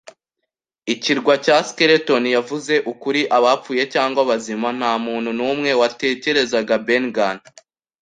Ikirwa cya Skeleton. Yavuze ukuri: abapfuye cyangwa bazima, ntamuntu numwe watekerezaga Ben Gunn.